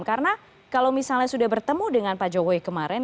karena kalau misalnya sudah bertemu dengan pak jokowi kemarin